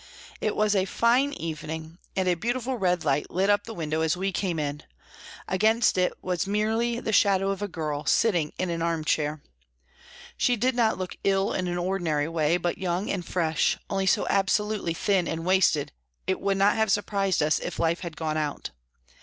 It was a fine evening, and a beautiful red light lit up the window as we came in ; against it was merely the shadow of a girl, sitting in an arm chair. She did not look ill in an ordinary way, but young and fresh, only so absolutely thin and wasted, it would not have surprised us if life had gone out.